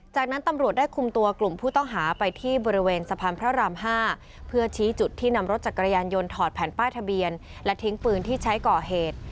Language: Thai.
จากนั้นตำรวจได้คุมตัวกลุ่มผู้ต้องหาไปที่บริเวณสะพานพระราม๕เพื่อชี้จุดที่นำรถจักรยานยนต์ถอดแผ่นป้ายทะเบียนและทิ้งปืนที่ใช้ก่อเหตุ